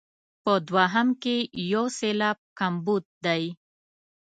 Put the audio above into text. په دوهم کې یو سېلاب کمبود دی.